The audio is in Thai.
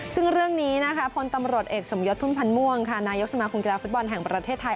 ซึ่งเรื่องนี้นะคะพลตำรวจเอกสมยศพุ่มพันธ์ม่วงค่ะนายกสมาคมกีฬาฟุตบอลแห่งประเทศไทย